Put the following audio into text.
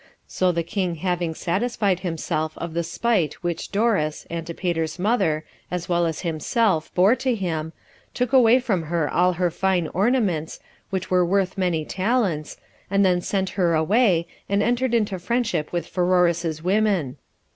So the king having satisfied himself of the spite which Doris, Antipater's mother, as well as himself, bore to him, took away from her all her fine ornaments, which were worth many talents, and then sent her away, and entered into friendship with Pheroras's women.